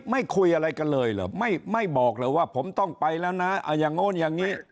ไม่คุยอะไรกันเลยเหรอไม่บอกเลยว่าผมต้องไปแล้วนะอย่างโน้นอย่างนี้